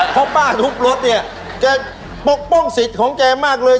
เพราะป้าทุบรถเนี่ยแกปกป้องสิทธิ์ของแกมากเลย